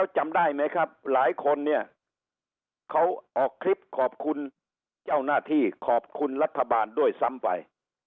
จำได้ไหมครับหลายคนเนี่ยเขาออกคลิปขอบคุณเจ้าหน้าที่ขอบคุณรัฐบาลด้วยซ้ำไป